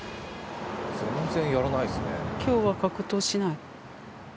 今日は格闘しない？